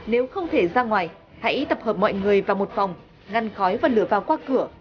nếu không thể ra ngoài hãy tập hợp mọi người vào một phòng ngăn khói và lửa vào qua cửa